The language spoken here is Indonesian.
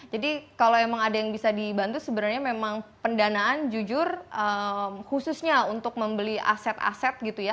jadi kalau emang ada yang bisa dibantu sebenarnya memang pendanaan jujur khususnya untuk membeli aset aset gitu ya